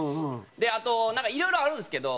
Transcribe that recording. であとなんかいろいろあるんですけど。